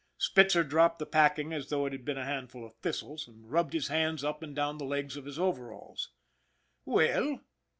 Spitzer dropped the packing as though it had been a handful of thistles, and rubbed his hands up and down the legs of his overalls. "Well?"